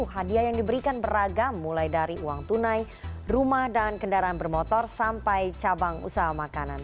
hadiah yang diberikan beragam mulai dari uang tunai rumah dan kendaraan bermotor sampai cabang usaha makanan